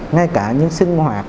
ngay cả những sinh hoạt